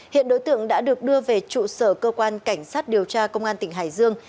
hiện đối tượng đã được đưa về trụ sở cơ quan cảnh sát điều tra công an tỉnh hải dương